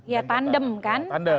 ya tandem kan tandem